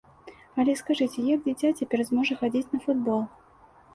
Але скажыце, як дзіця цяпер зможа хадзіць на футбол?